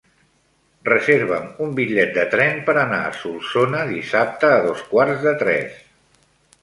Reserva'm un bitllet de tren per anar a Solsona dissabte a dos quarts de tres.